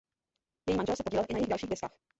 Její manžel se podílel i na jejích dalších deskách.